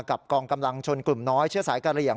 กองกำลังชนกลุ่มน้อยเชื่อสายกะเหลี่ยง